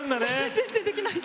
全然できない。